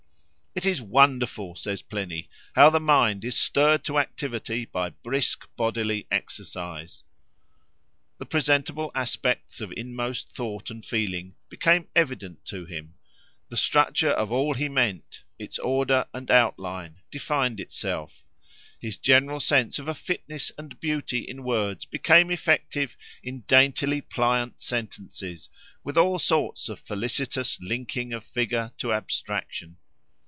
—"It is wonderful," says Pliny, "how the mind is stirred to activity by brisk bodily exercise." The presentable aspects of inmost thought and feeling became evident to him: the structure of all he meant, its order and outline, defined itself: his general sense of a fitness and beauty in words became effective in daintily pliant sentences, with all sorts of felicitous linking of figure to abstraction.